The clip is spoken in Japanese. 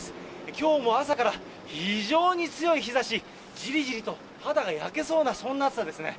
きょうも朝から非常に強い日ざし、じりじりと肌が焼けそうな、そんな暑さですね。